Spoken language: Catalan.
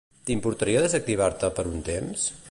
T'importaria desactivar-te per un temps?